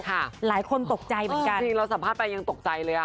หลายคนตกใจเหมือนกันจริงเราสัมภาษณ์ไปยังตกใจเลยอ่ะ